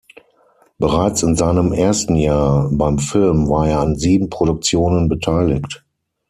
Bereits in seinem ersten Jahr beim Film war er an sieben Produktionen beteiligt.